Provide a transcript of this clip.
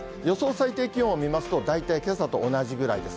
最低気温を見ますと、大体けさと同じぐらいです。